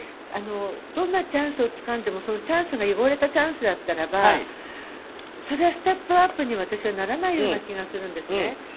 どんなチャンスをつかんでもそのチャンスが汚れたチャンスだったらそれはステップアップにはならないような気が私はするんですね。